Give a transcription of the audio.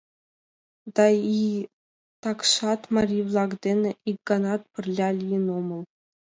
Да и такшат марий-влак дене ик ганат пырля лийын омыл.